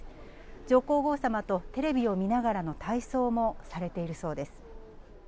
上皇后さまとテレビを見ながらの体操もされているそうです。